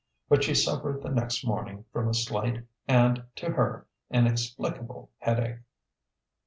But she suffered the next morning from a slight and, to her, inexplicable headache.